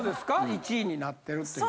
１位になってるっていう。